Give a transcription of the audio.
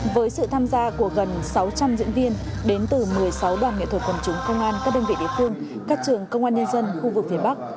với sự tham gia của gần sáu trăm linh diễn viên đến từ một mươi sáu đoàn nghệ thuật quần chúng công an các đơn vị địa phương các trường công an nhân dân khu vực phía bắc